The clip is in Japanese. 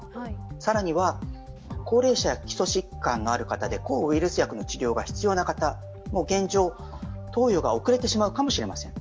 更には高齢者、基礎疾患のある方で抗ウイルス薬が必要な方、現状、投与が遅れてしまうかもしれません。